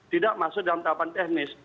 tidak masuk dalam tahapan teknis